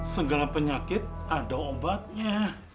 segala penyakit ada obatnya